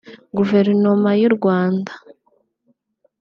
Guverinoma y’u Rwanda